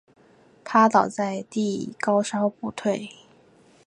趴倒在地高烧不退